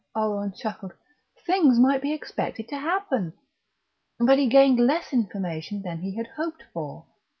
Oleron chuckled things might be expected to happen! But he gained less information than he had hoped for.